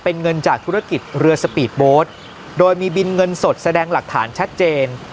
เป็นเงินจากธุรกิจเรือสปีดโบสต์โดยมีบินเงินสดแสดงหลักฐานชัดเจน